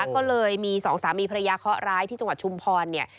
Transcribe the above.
ก็เลยมีสองสามีภรรยาเคาะร้ายที่จังหวัดชุมพรเนี่ย